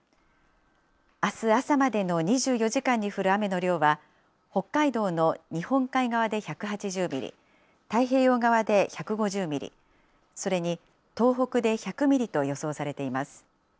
あす朝までの２４時間に降る雨の量は、北海道の日本海側で１８０ミリ、太平洋側で１５０ミリ、それに東北で１００ミリと予想されています。